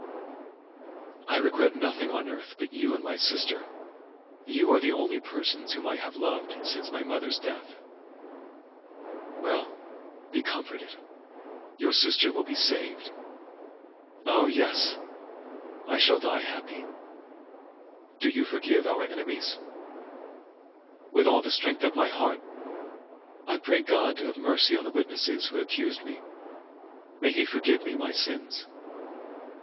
"I regret nothing on earth but you and my sister. You are the only persons whom I have loved since my mother's death." "Well, be comforted. Your sister will be saved." "Oh, yes! I shall die happy." "Do you forgive our enemies?" "With all the strength of my heart. I pray God to have mercy on the witnesses who accused me. May He forgive me my sins!"